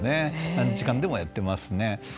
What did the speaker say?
何時間でもやっていますね。